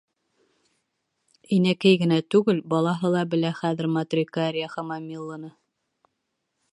Инәкәй генә түгел, балаһы ла белә хәҙер Матрикариа Хамомилланы.